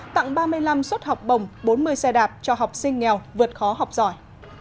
tặng ba mươi năm suất học bồng bốn mươi xe đạp cho học sinh nghèo vượt khó học giỏi